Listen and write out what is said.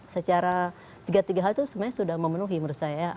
secara tiga tiga hal itu sebenarnya sudah memenuhi menurut saya